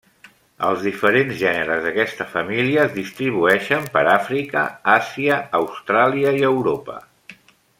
Els diferents gèneres d'aquesta família es distribueixen per Àfrica, Àsia, Austràlia i Europa.